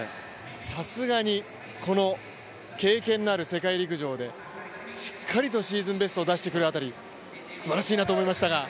さすがにこの経験のある世界陸上で、しっかりとシーズンベストを出してくるあたり、すばらしいなと思いましたが。